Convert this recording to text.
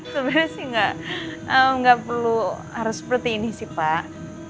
sebenernya sih gak perlu harus seperti ini sih pak